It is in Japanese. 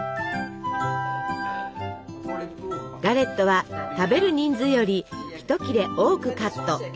ガレットは食べる人数よりひと切れ多くカット。